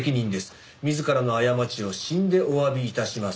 「自らの過ちを死んでお詫び致します」